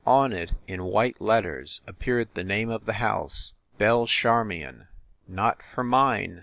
On it in white letters appeared the name of the house "Belchar mion." "Not for mine!"